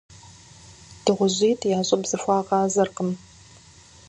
ДыгъужьитӀ я щӀыб зэхуагъазэркъым.